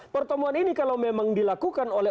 pertemuan ini kalau memang dilakukan oleh